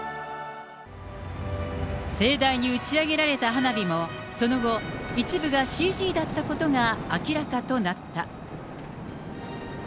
盛大に打ち上げられた花火も、その後、一部がＣＧだったことが明らかとなった。